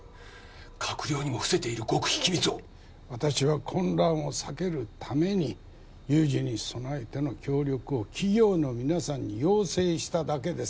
閣僚にも伏せている極秘機密を私は混乱を避けるために有事に備えての協力を企業の皆さんに要請しただけです